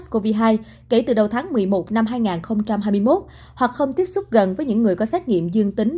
covid một mươi chín kể từ đầu tháng một mươi một năm hai nghìn hai mươi một hoặc không tiếp xúc gần với những người có xét nghiệm dương tính